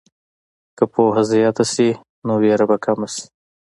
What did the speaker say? که پوهه زیاته شي، نو ویره به کمه شي.